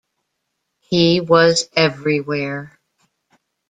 He was everywhere!